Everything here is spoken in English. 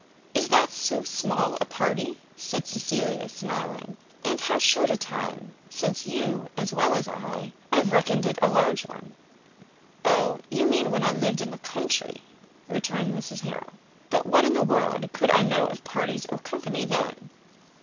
"Is that so small a party?" said Cecilia, smiling; "and how short a time since would you, as well as I, have reckoned it a large one!" "Oh, you mean when I lived in the country," returned Mrs Harrel; "but what in the world could I know of parties or company then?"